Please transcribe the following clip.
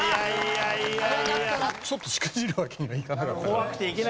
ちょっとしくじるわけにはいかなかったから。